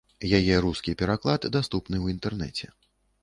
Яе рускі пераклад даступны ў інтэрнэце.